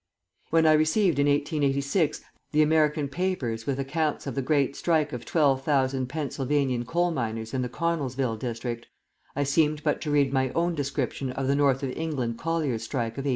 When I received, in 1886, the American papers with accounts of the great strike of 12,000 Pennsylvanian coal miners in the Connellsville district, I seemed but to read my own description of the North of England colliers' strike of 1844.